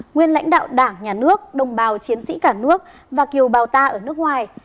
nguyên lãnh đạo đảng nhà nước đồng bào chiến sĩ cả nước và kiều bào ta ở nước ngoài